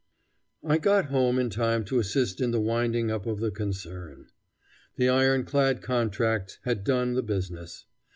I got home in time to assist in the winding up of the concern. The iron clad contracts had done the business.